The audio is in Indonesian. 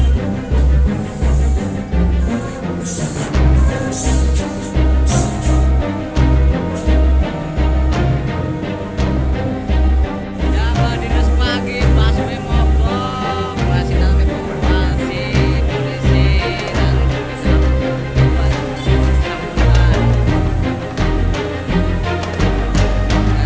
jangan lupa di pagi pas memobok masih dalam evokasi polisi dan kebanyakan orang orang yang masih terangkan